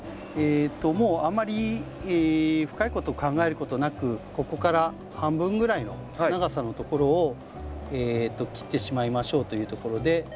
もうあまり深いことを考えることなくここから半分ぐらいの長さのところを切ってしまいましょうというところで。